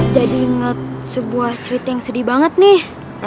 jadi inget sebuah cerita yang sedih banget nih